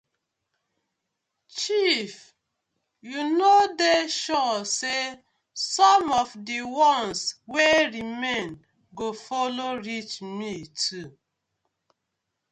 Chief yu no dey sure say som of di ones wey remain do follow reach me too.